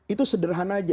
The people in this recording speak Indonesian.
itu sederhana saja